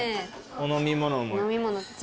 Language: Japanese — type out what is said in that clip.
お飲み物も。